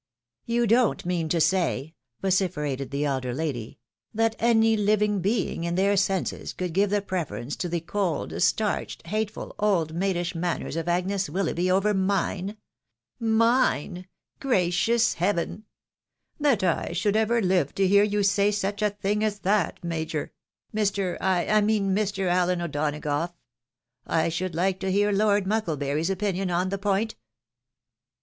" You don't mean to say," vociferated the elder lady, " that any Uving being in their senses could give the preference to the cold, starched, hateful; old maidish manners of Agnes Wil loughby over mine ? Mdste ! Gracious Heaven ! That I should ever hve to hear you say such a thing as that, Major — Mr. I mean — Mr. Allen O'Donagough ! I should like to hear Lord Mucklebury's opinion on the point."